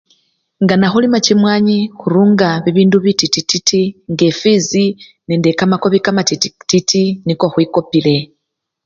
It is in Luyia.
Nga nekhulima chimwani khurunga bibindu bititi titi nge fisii nende kamakobi kamatiti titi niko khwikopile.